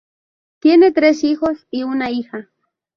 Tiene tres hijos y una hija.